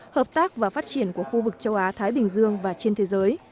hợp tác và phát triển của khu vực châu á thái bình dương và trên thế giới